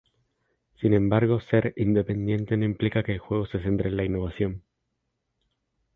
Sin embargo, ser "independiente" no implica que el juego se centre en la innovación.